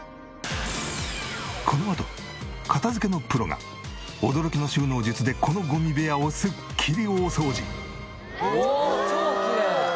このあと片付けのプロが驚きの収納術でこのゴミ部屋をすっきり大掃除！